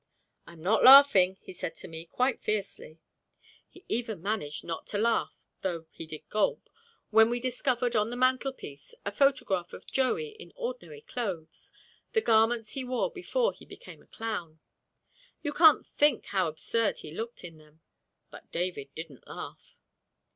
"I'm not laughing," he said to me, quite fiercely. He even managed not to laugh (though he did gulp) when we discovered on the mantelpiece a photograph of Joey in ordinary clothes, the garments he wore before he became a clown. You can't think how absurd he looked in them. But David didn't laugh.